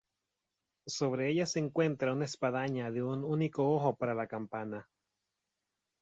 Sobre ella se encuentra una espadaña de un único ojo para la campana.